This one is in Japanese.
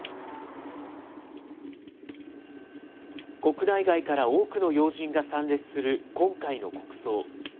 国内外から多くの要人が参列する今回の国葬。